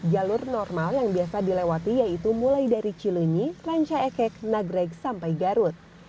jalur normal yang biasa dilewati yaitu mulai dari cilunyi rancaekek nagreg sampai garut